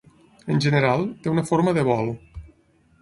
En general, té una forma de bol.